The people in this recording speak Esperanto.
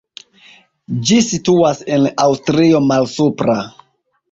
Ĝi situas en Aŭstrio Malsupra.